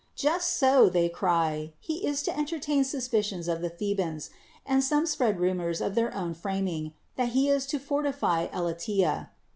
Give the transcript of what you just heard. Just so, they cry, he is to entertain suspicions of the Thebans ; and some spread rumors of their own framing, that he is to fortify Elatea.